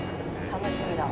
楽しみだわ。